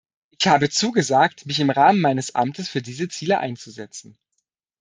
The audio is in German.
Ich habe zugesagt, mich im Rahmen meines Amtes für diese Ziele einzusetzen.